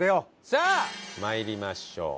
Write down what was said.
さあ参りましょう。